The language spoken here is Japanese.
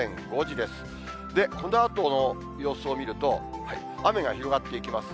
で、このあとの予想を見ると、雨が広がっていきます。